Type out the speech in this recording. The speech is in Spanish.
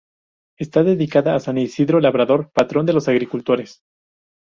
Está dedicada a San Isidro Labrador, patrón de los agricultores.